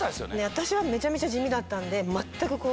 私はめちゃめちゃ地味だったんで全くこういう。